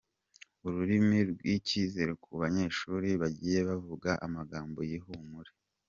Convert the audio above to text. Urumuri rw'icyizere ku banyeshuli bagiye bavuga amagambo y'ihumure.